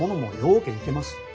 うけいてます。